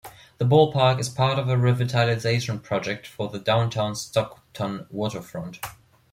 The ballpark is a part of a revitalization project for the Downtown Stockton waterfront.